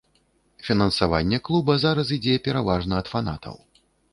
Фінансаванне клуба зараз ідзе пераважна ад фанатаў.